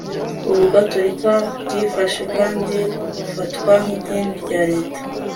ubugatolika bwifashe kandi bufatwa nk'idini rya leta